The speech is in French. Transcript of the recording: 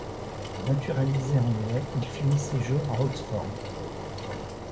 Naturalisé anglais, il finit ses jours à Oxford.